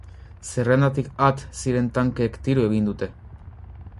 Zerrendatik at ziren tankeek tiro egin dute.